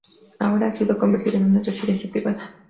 Ahora ha sido convertido en una residencia privada.